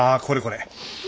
これこれ。